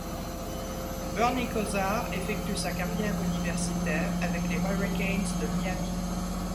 Bernie Kosar effectue sa carrière universitaire avec les Hurricanes de Miami.